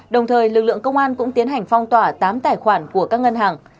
đồng thời lực lượng công an cũng tiến hành phong tỏa tám tài khoản của các ngân hàng